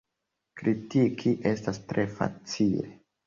Kritiki estas tre facile.